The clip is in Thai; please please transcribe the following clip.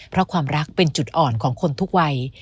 เพราะความรักเป็นจุดอ่อนของคนทุกวัย